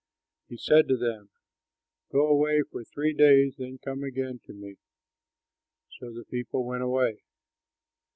He said to them, "Go away for three days; then come again to me." So the people went away.